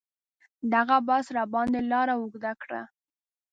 دغه بس راباندې لاره اوږده کړه.